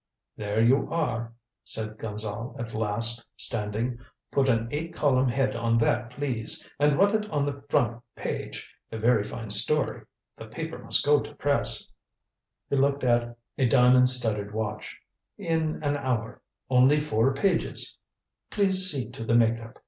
"There you are," said Gonzale at last, standing. "Put an eight column head on that, please, and run it on the front page. A very fine story. The paper must go to press" he looked at a diamond studded watch "in an hour. Only four pages. Please see to the make up.